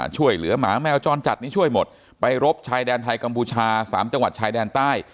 ช่วยเหลือหมาแมวจรจัดนี้ช่วยหมดไปรบชายแดนไทยกัมพูชา๓จังหวัดชายแดนใต้